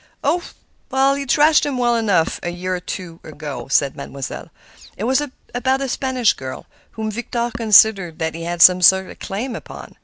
"Oh! he thrashed him well enough a year or two ago," said Mademoiselle. "It was about a Spanish girl, whom Victor considered that he had some sort of claim upon.